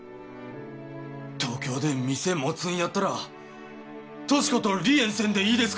東京で店持つんやったら俊子と離縁せんでいいですか？